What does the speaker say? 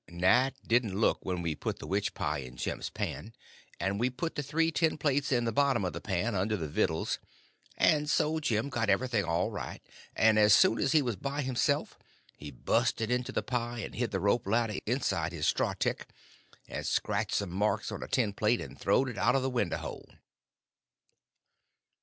Nat didn't look when we put the witch pie in Jim's pan; and we put the three tin plates in the bottom of the pan under the vittles; and so Jim got everything all right, and as soon as he was by himself he busted into the pie and hid the rope ladder inside of his straw tick, and scratched some marks on a tin plate and throwed it out of the window hole.